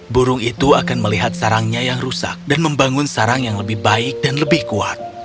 burung itu akan melihat sarangnya yang rusak dan membangun sarang yang lebih baik dan lebih kuat